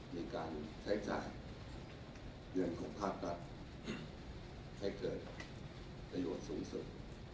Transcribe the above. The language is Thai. คือการใช้จ่ายเงินของภาครัฐให้เกิดประโยชน์สูงสุด